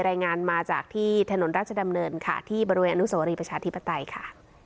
รายงานมาจากที่ถนนราชดำเนินค่ะที่บริเวณอนุสวรีประชาธิปไตยค่ะ